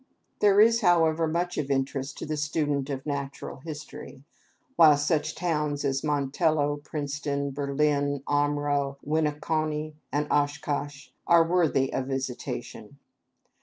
There is, however, much of interest to the student in natural history; while such towns as Montello, Princeton, Berlin, Omro, Winneconne, and Oshkosh are worthy of visitation.